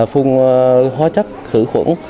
phung hóa chất khử khuẩn